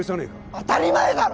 当たり前だろ！